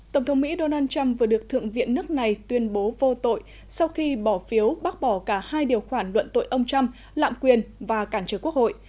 tổng thống mỹ donald trump vừa được thượng viện nước này tuyên bố vô tội sau khi bỏ phiếu bác bỏ cả hai điều khoản luận tội ông trump lạm quyền và cản trở quốc hội